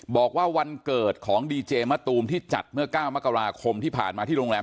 บอกว่าวันเกิดของดีเจมะตูมที่จัดเมื่อ๙มกราคมที่ผ่านมาที่โรงแรม